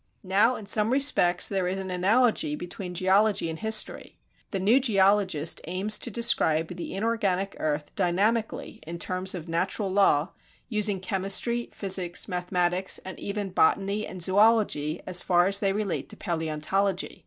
Now in some respects there is an analogy between geology and history. The new geologist aims to describe the inorganic earth dynamically in terms of natural law, using chemistry, physics, mathematics, and even botany and zoölogy so far as they relate to paleontology.